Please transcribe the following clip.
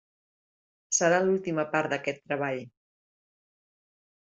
Serà l'última part d'aquest treball.